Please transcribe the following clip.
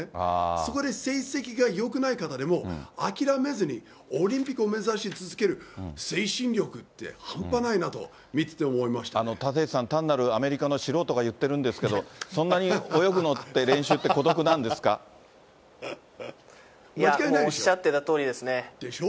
そこで成績がよくない方でも、諦めずに、オリンピックを目指し続ける精神力って、半端ないなと、立石さん、単なるアメリカの素人が言ってるんですけど、そんなに泳ぐって、いや、もうおっしゃってたとでしょ？